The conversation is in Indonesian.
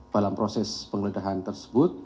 dalam proses pengledahan tersebut